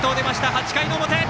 ８回の表。